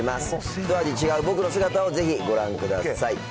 一味違う僕の姿をぜひご覧ください。